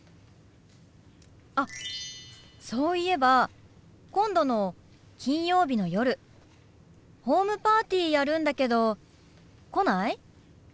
あっそういえば今度の金曜日の夜ホームパーティーやるんだけど来ない？